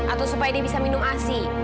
atau supaya dia bisa minum asi